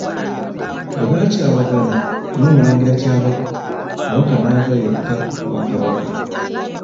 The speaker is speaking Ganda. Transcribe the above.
Bwe baakyawagana n'Omulangira Kyabaggu, Kabaka n'ava yekka ku Bwakabaka.